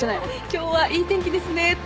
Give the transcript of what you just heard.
今日はいい天気ですねって？